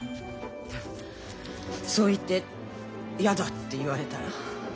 そう言って嫌だって言われたら。